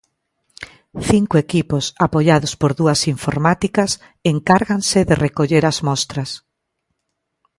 Cinco equipos, apoiados por dúas informáticas, encárganse de recoller as mostras.